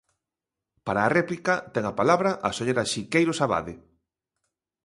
Para a réplica, ten a palabra a señora Siqueiros Abade.